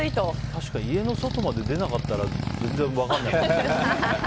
確かに家の外まで出なかったら全然分かんないね。